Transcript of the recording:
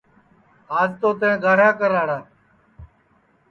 آج تو تیں گاھیا کریاڑا